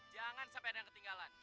jangan sampai ada yang ketinggalan